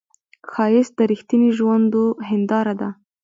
ښایست د رښتینې ژوندو هنداره ده